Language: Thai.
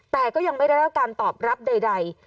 แต่ก็ยังไม่ได้รับการตอบรับใด